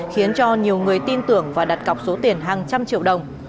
khiến cho nhiều người tin tưởng và đặt cọc số tiền hàng trăm triệu đồng